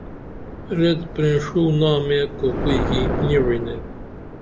ریت پرینڜو نامے کوکوئی کی نی وعنین